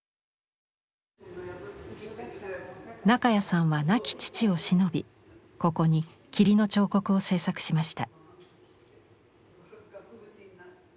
中谷さんは亡き父をしのびここに「霧の彫刻」を制作しました。